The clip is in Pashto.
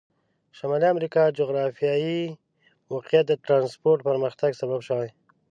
شمالي امریکا جغرافیایي موقعیت د ترانسپورت پرمختګ سبب شوي.